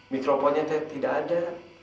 mikrofonnya teh tidak ada